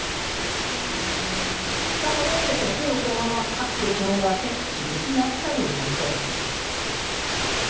このように週の後半は各地で気温が上がって、厳しい暑さになりそうです。